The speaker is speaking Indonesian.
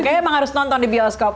kayaknya emang harus nonton di bioskop